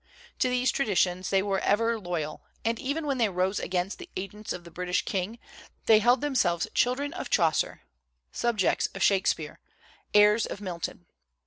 To these traditions they were ever loyal; and even when they rose against the agents of the British King, they held themselves children of Chaucer, subjects of Shakspere, heirs of Mil ton.